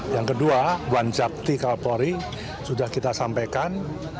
yang kedua wanjakti kapolri sudah kita sampaikan